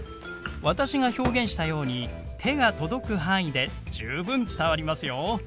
私が表現したように手が届く範囲で十分伝わりますよ。